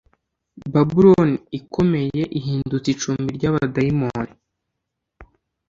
Babuloni ikomeye Ihindutse icumbi ry abadayimoni